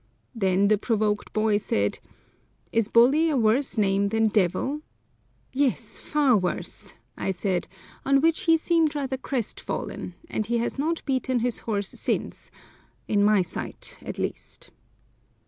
Then the provoking boy said, "Is bully a worse name than devil?" "Yes, far worse," I said, on which he seemed rather crestfallen, and he has not beaten his horse since, in my sight at least.